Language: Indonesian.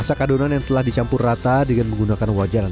sorghum yang telah terfermentasi selama satu jam